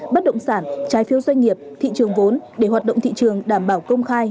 bất động sản trái phiếu doanh nghiệp thị trường vốn để hoạt động thị trường đảm bảo công khai